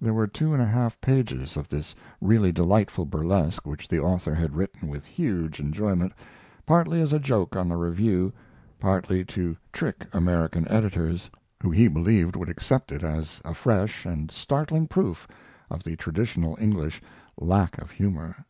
There were two and one half pages of this really delightful burlesque which the author had written with huge enjoyment, partly as a joke on the Review, partly to trick American editors, who he believed would accept it as a fresh and startling proof of the traditional English lack of humor.